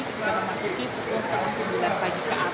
kita akan masukkan pukul setengah sebulan pagi ke arahnya